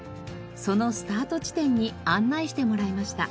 そのスタート地点に案内してもらいました。